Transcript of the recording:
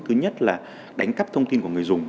thứ nhất là đánh cắp thông tin của người dùng